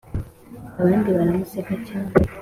abandi baramuseka cyane